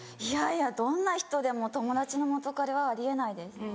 いやいやどんな人でも友達の元カレはあり得ないです。